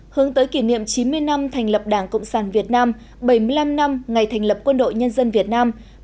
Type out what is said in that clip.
hướng tới kỷ niệm chín mươi năm thành lập đảng cộng sản việt nam bảy mươi năm năm ngày thành lập quân đội nhân dân việt nam